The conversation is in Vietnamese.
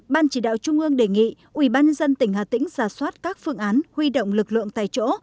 ban chỉ đạo trung ương đề nghị ubnd tỉnh hà tĩnh giả soát các phương án huy động lực lượng tại chỗ